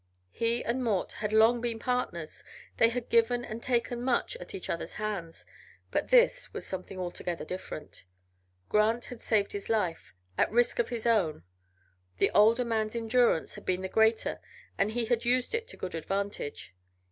He and Mort had long been partners, they had given and taken much at each other's hands, but this was something altogether different. Grant had saved his life, at risk of his own; the older man's endurance had been the greater and he had used it to good advantage.